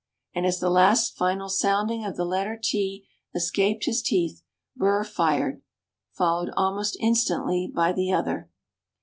and as the last final sounding of the letter "t" escaped his teeth, Burr fired, followed almost instantly by the other.